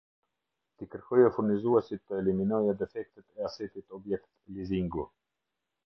T'i kërkojë furnizuesit të eliminojë defektet e Asetit Objekt Lizingu.